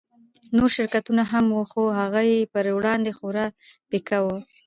نور شرکتونه هم وو خو هغه يې پر وړاندې خورا پيکه وو.